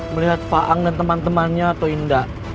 melihat fa'ang dan teman temannya atau tidak